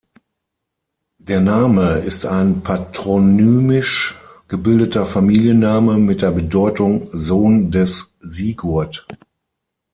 Der Name ist ein patronymisch gebildeter Familienname mit der Bedeutung "Sohn des Sigurd".